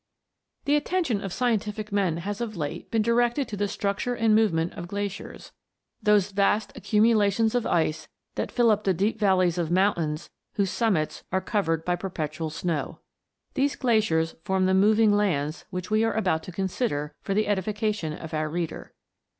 THE attention of scientific men has of late been directed to the structure and movement of glaciers, those vast accumulations of ice that fill up the deep valleys of mountains whose summits are covered by perpetual snow. These glaciers form the moving lands which we are about to consider for the edifica tion of our reader.